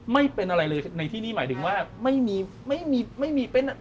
ไม่เป็นอะไรเลยในที่นี่หมายถึงว่าไม่มีไม่มีเป็น